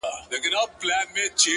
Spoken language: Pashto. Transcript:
• ستا جدايۍ ته به شعرونه ليکم ـ